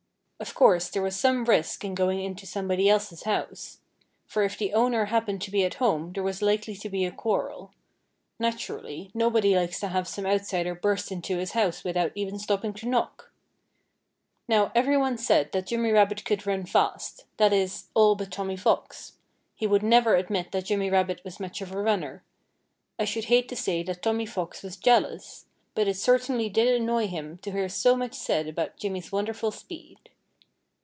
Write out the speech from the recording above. Of course, there was some risk in going into somebody else's house. For if the owner happened to be at home there was likely to be a quarrel. Naturally, nobody likes to have some outsider burst into his house without even stopping to knock. Now, everyone said that Jimmy Rabbit could run fast that is, all but Tommy Fox. He never would admit that Jimmy Rabbit was much of a runner. I should hate to say that Tommy Fox was jealous. But it certainly did annoy him to hear so much said about Jimmy's wonderful speed.